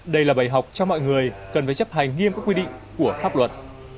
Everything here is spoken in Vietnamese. đây là bài học cho mọi người cần phải chấp hành nghiêm các quy định của pháp luật